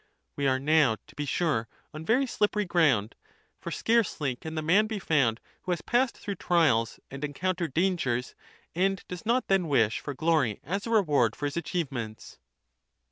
We are now, to be sure, on very shppery ground ; for scarcely can the man be found who has passed through trials and encountered dangers and does not then wish for glory as a reward for his achievements.